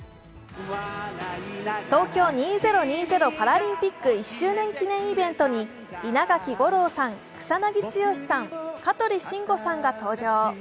東京２０２０パラリンピック１周年記念イベントに稲垣吾郎さん、草なぎ剛さん、香取慎吾さんが登場。